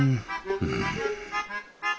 うん。